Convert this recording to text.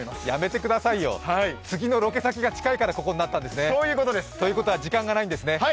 やめてくださいよ、次のロケ先が近いからここになったんですね。ということは時間がないんですね。